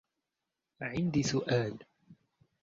عندي سؤال.